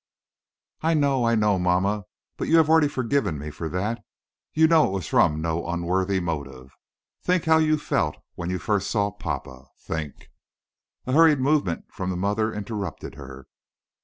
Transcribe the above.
"I know, I know, mamma; but you have already forgiven me for that. You know it was from no unworthy motive. Think how you felt when you first saw papa. Think " A hurried movement from the mother interrupted her.